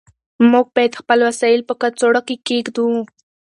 موږ باید خپل وسایل په کڅوړه کې کېږدو.